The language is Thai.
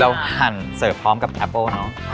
หั่นเสิร์ฟพร้อมกับแอปเปิ้ลเนอะ